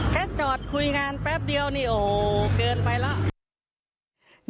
แค่จอดคุยงานแป๊บเดียวนี่โอ้โหเกินไปแล้ว